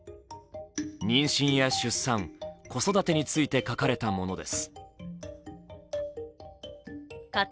妊娠や出産、子育てについて書かれたものです。